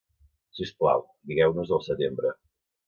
Si us plau, digueu-nos-ho al setembre.